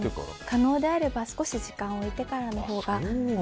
可能であれば少し時間を置いてからのほうが。